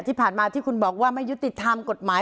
ที่ผ่านมาที่คุณบอกว่าไม่ยุติธรรมกฎหมาย